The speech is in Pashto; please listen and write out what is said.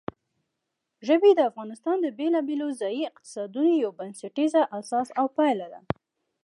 ژبې د افغانستان د بېلابېلو ځایي اقتصادونو یو بنسټیزه اساس او پایایه ده.